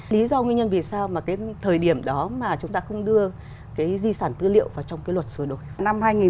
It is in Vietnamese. lý do nguyên nhân vì sao mà cái thời điểm đó mà chúng ta không đưa cái di sản tư liệu vào trong cái luật sửa đổi